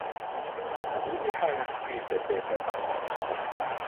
Ubi ha nascite Peter?